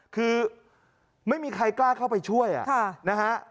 คือไม่มีใครกล้าเข้าไปช่วยนะฮะ